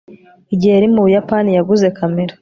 igihe yari mu buyapani, yaguze kamera